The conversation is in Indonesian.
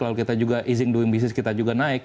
lalu kita juga easing doing business kita juga naik